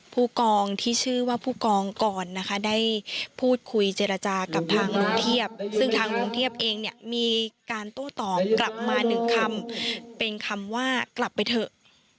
ผู้กองที่ชื่อว่าผู้กองกรนะคะได้พูดคุยเจรจากับทางลุงเทียบซึ่งทางลุงเทียบเองเนี่ยมีการโต้ตอบกลับมาหนึ่งคำเป็นคำว่ากลับไปเถอะ